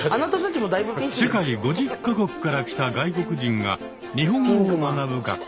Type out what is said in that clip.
世界５０か国から来た外国人が日本語を学ぶ学校です。